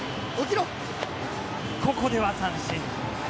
ここでは三振。